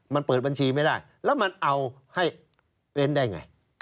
มันเปิดบัญชีไม่ได้แล้วมันเอาให้เว้นได้ไง